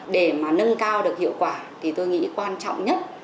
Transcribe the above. để mà nâng cao được hiệu quả thì tôi nghĩ quan trọng nhất